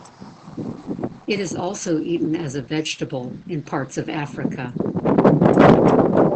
It is also eaten as a vegetable in parts of Africa.